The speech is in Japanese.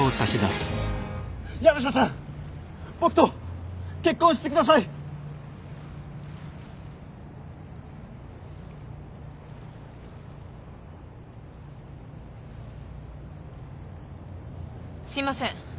すいません